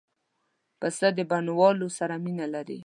پسه د بڼوالو سره مینه لري.